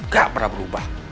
gak pernah berubah